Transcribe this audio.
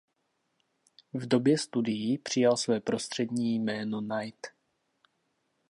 V době studií přijal své prostřední jméno Night.